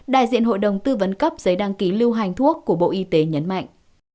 đại diện hội đồng tư vấn cấp giấy đăng ký lưu hành thuốc của bộ y tế nhấn mạnh